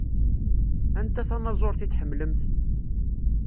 Anta tanaẓuṛt i tḥemmlemt?